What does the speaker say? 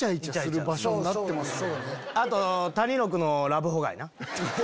あと谷六のラブホ街な。